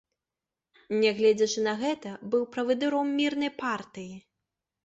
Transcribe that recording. Нягледзячы на гэта, быў правадыром мірнай партыі.